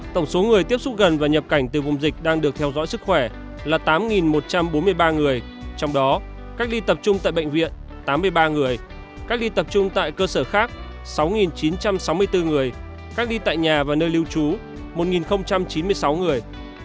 tổng số người tiếp xúc gần và nhập cảnh từ vùng dịch đang được theo dõi sức khỏe là tám một trăm bốn mươi ba người trong đó cách ly tập trung tại bệnh viện tám mươi ba người cách ly tập trung tại cơ sở khác sáu chín trăm sáu mươi bốn người cách ly tại nhà và nơi lưu trú một chín mươi sáu người